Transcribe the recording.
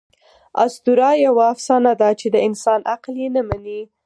آسطوره یوه افسانه ده، چي د انسان عقل ئې نه مني.